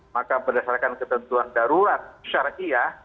maka berdasarkan ketentuan darurat syariah